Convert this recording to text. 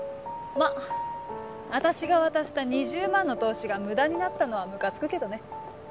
まぁ私が渡した２０万の投資が無駄になったのはムカつくけどね。